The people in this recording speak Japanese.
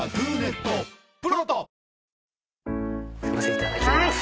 いただきます。